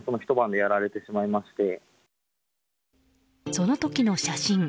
その時の写真。